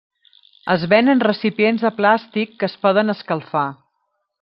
Es ven en recipients de plàstic que es poden escalfar.